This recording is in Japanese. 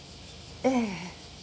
ええ。